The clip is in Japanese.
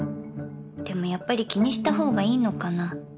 でもやっぱり気にした方がいいのかな？